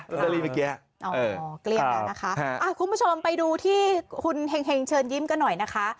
กูท่านผู้ชมไปดูที่เฮงเชิญยิ้มกันหน่อยนะคะ